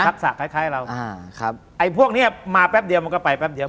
ลักษณะคล้ายเราอ่าครับไอ้พวกเนี้ยมาแป๊บเดียวมันก็ไปแป๊บเดียว